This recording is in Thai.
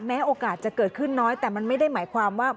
โอกาสจะเกิดขึ้นน้อยแต่มันไม่ได้หมายความว่า